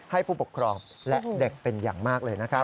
ผู้ปกครองและเด็กเป็นอย่างมากเลยนะครับ